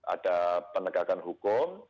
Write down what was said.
ada penegakan hukum